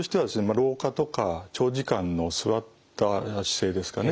老化とか長時間の座った姿勢ですかね